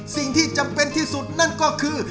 สิ่งที่จำเป็นที่สุดนั่นก็คือ